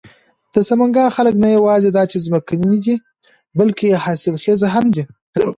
د سمنگان خلک نه یواځې دا چې ځمکني دي، بلکې حاصل خيز هم دي.